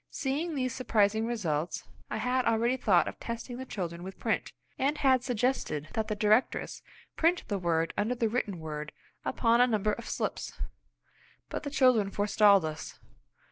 Seeing these surprising results, I had already thought of testing the children with print, and had suggested that the directress print the word under the written word upon a number of slips. But the children forestalled us!